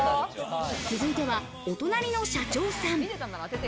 続いてはお隣の社長さん。